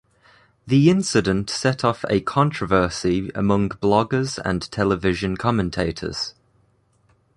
The incident set off a controversy among bloggers and television commentators.